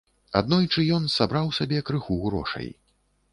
Аднойчы ён сабраў сабе крыху грошай.